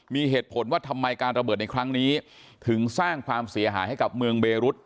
มีเหตุผลว่าทำไมการระเบิดในครั้งนี้ถึงสร้างความเสียหายให้กับเมืองเบรุษ